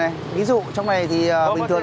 đây cho em mở